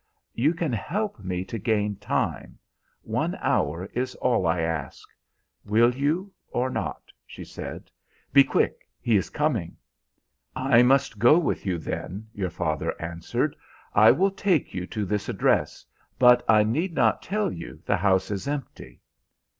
"'You can help me to gain time. One hour is all I ask. Will you or not?' she said. 'Be quick! He is coming.' "'I must go with you, then,' your father answered, 'I will take you to this address, but I need not tell you the house is empty.'